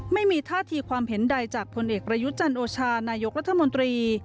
ไม่มีท่าทีความเห็นใดจากพลเอกประยุทธ์จันโอชานายกรัฐมนตรี